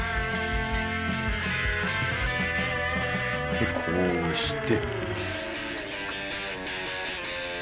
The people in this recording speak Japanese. でこうして